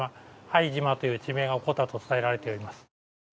拝島という地名が起こったと伝えられております。